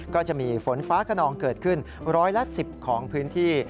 ก็จะมีฝนฟ้าขนองเกิดขึ้นร้อยละ๑๐ของพื้นที่